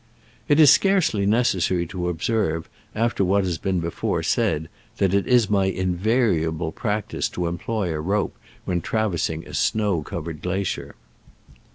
It is scarcely necessary to observe, after what has been before said, that it is my invariable practice to employ a rope when traversing a* snow covered glacier.